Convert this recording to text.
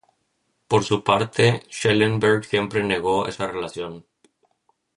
Por su parte, Schellenberg siempre negó esa relación.